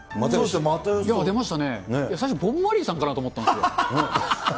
出ましたね、最初ボブ・マリーさんかと思ったんですよ。